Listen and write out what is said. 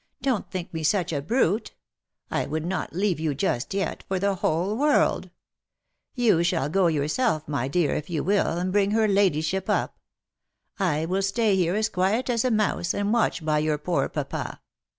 Don't think me such a brute ! I would not leave you just yet, for the whole world ! You shall go yourself, my dear, if you will, and bring her ladyship up. I will stay here as quiet as a mouse, and watch by your poor papa.